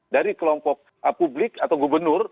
dari kelompok publik atau gubernur